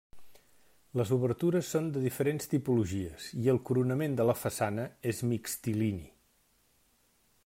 Les obertures són de diferents tipologies i el coronament de la façana és mixtilini.